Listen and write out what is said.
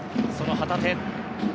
その旗手。